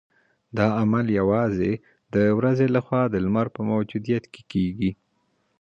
دا عمل یوازې د ورځې لخوا د لمر په موجودیت کې کیږي